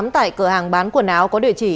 tại cửa hàng bán quần áo có địa chỉ